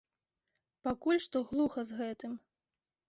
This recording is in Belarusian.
Пакуль што глуха з гэтым.